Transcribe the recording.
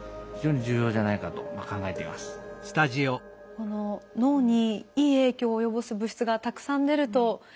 この脳にいい影響を及ぼす物質がたくさん出るといいですよね。